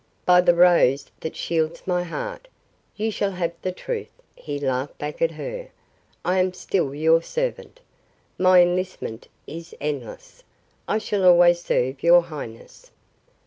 "By the rose that shields my heart, you shall have the truth," he laughed back at her. "I am still your servant. My enlistment is endless. I shall always serve your highness."